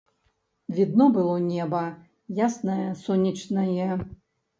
Відно было неба, яснае, сонечнае.